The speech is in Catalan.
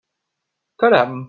Caram!